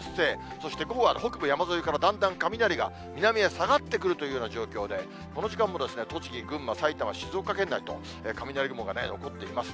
そして午後は北部山沿いから、だんだん雷が南へ下がってくるというような状況で、この時間も栃木、群馬、埼玉、静岡県内と、雷雲が起こっています。